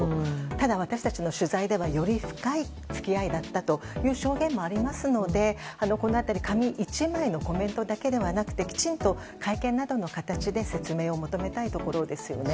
ただ、私たちの取材ではより深い付き合いだったという証言もありますのでこの辺り紙一枚のコメントだけではなくてきちんと会見などの形で説明を求めたいところです。